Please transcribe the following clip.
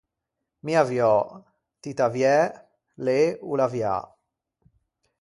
Mi aviò, ti t’aviæ, lê o l’avià.